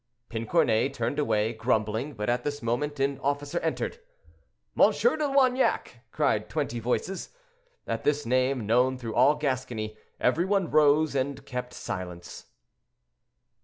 Pincornay turned away, grumbling; but at this moment an officer entered. "M. de Loignac!" cried twenty voices. At this name, known through all Gascony, every one rose and kept silence.